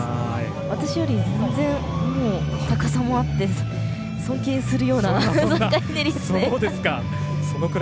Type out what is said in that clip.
私より全然高さもあって尊敬するような３回ひねりでした。